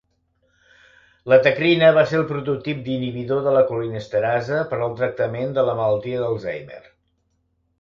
La tacrina va ser el prototip d'inhibidor de la colinesterasa per al tractament de la malaltia d'Alzheimer.